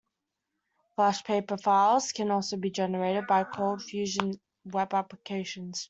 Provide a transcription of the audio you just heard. FlashPaper files can be also generated by ColdFusion web applications.